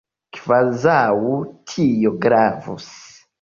Kvazaŭ tio gravus!